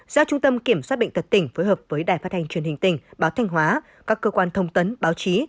do trung tâm kiểm soát bệnh tật tỉnh phối hợp với đài phát thanh truyền hình tỉnh báo thanh hóa các cơ quan thông tấn báo chí